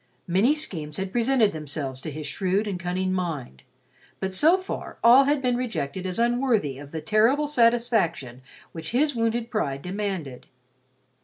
Many schemes had presented themselves to his shrewd and cunning mind, but so far all had been rejected as unworthy of the terrible satisfaction which his wounded pride demanded.